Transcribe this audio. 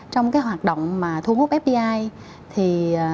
trong hoạt động thu hút fdi